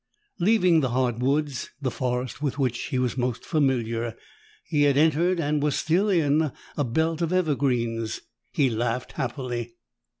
Leaving the hardwoods, the forest with which he was most familiar, he had entered, and was still in, a belt of evergreens. He laughed happily.